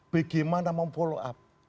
bagaimana memfollow up